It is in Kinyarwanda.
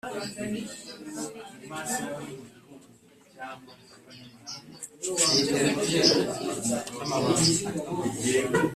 gifitanye isano no kurenga kubyo yavuze